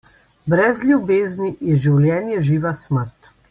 Brez ljubezni je življenje živa smrt.